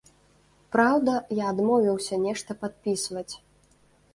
Праўда, я адмовіўся нешта падпісваць.